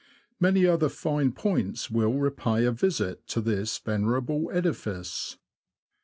Many other fine points will repay a visit to this venerable edifice.